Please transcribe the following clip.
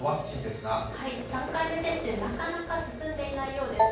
３回目接種なかなか進んでいないようです。